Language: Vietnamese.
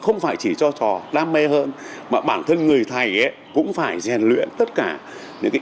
không phải chỉ cho trò đam mê hơn mà bản thân người thầy cũng phải rèn luyện tất cả những cái